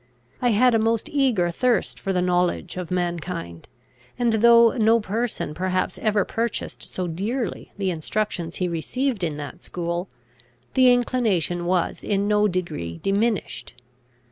I had a most eager thirst for the knowledge of mankind; and though no person perhaps ever purchased so dearly the instructions he received in that school, the inclination was in no degree diminished.